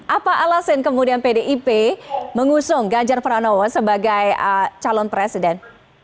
apa alasan kemudian pdip mengusung ganjar pranowo sebagai calon presiden